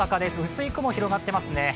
薄い雲広がってますね。